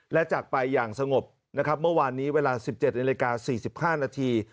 และจากไปอย่างสงบนะครับเมื่อวานนี้เวลา๑๗นาฬิกา๔๕นาที